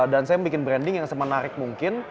dan saya bikin branding yang semenarik mungkin